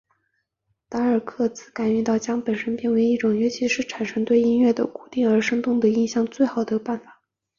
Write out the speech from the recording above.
达尔克罗兹感觉到将身体变成一种乐器是产生对音乐的稳固而生动的印象的最好的方法。